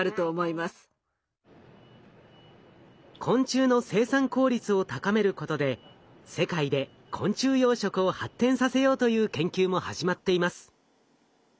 昆虫の生産効率を高めることで世界で昆虫養殖を発展させようという研究も始まっています。